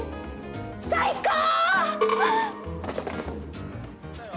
最高‼